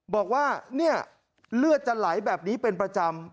บอกว่าเนี่ยเลือดจะไหลแบบนี้เป็นประจำ